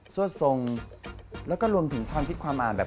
สวดทรงแล้วก็รวมถึงความอ่านแบบ